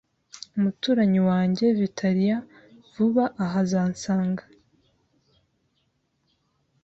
Umuturanyi wanjye Vitalian vuba aha azansanga